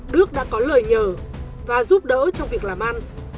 đức đã có lời nhờ và giúp đỡ trong việc làm ăn